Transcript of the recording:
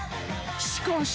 ［しかし］